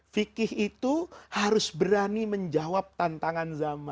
fikih itu harus berani menjawab tantangan zaman